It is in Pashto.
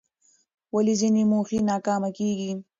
ولې ځینې موخې ناکامه کېږي؟